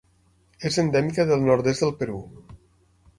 És endèmica del nord-est del Perú.